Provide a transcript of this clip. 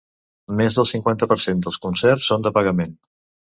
Més del cinquanta per cent dels concerts són de pagament.